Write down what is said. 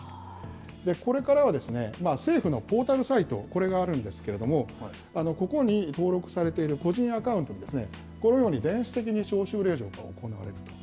これからは政府のポータルサイト、これがあるんですけれども、ここに登録されている個人アカウントにこういうのに電子的に招集令状が送られると。